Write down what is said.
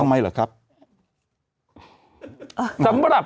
ทำไมหรือครับ